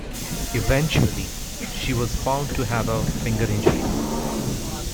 Eventually, she was found to have a finger injury.